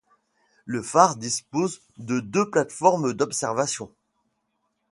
Le phare dispose de deux plateformes d'observation.